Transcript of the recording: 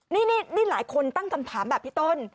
นี่หลายคนตั้งคำถามแบบพี่ต้น